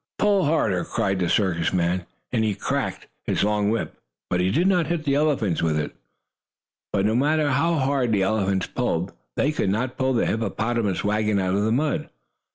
"Pull harder!" cried the circus man, and he cracked his long whip, but he did not hit the elephants with it. But, no matter how hard the elephants pulled, they could not pull the hippopotamus wagon out of the mud.